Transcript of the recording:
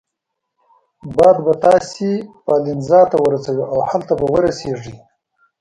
باد به تاسي پالنزا ته ورسوي او هلته به ورسیږئ.